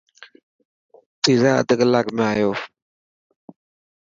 پيزا اڍ ڪلاڪ ۾ آيو.